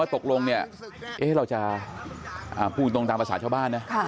ว่าตกลงเราจะพูดตรงตามภาษาชาวบ้าน